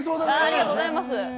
ありがとうございます。